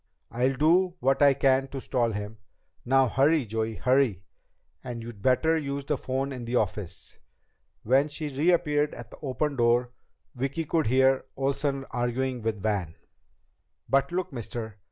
I'll do what I can to stall him. Now hurry, Joey! Hurry! And you'd better use the phone in the office." When she reappeared at the open door, Vicki could hear Roy Olsen arguing with Van. "But look, mister!